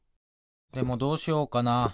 でもどうしようかな。